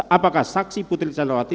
apakah saksi putri candrawati